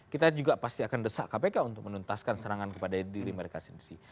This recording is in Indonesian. kita juga pasti akan desak kpk untuk menuntaskan serangan kepada diri mereka sendiri